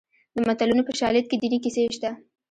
د متلونو په شالید کې دیني کیسې شته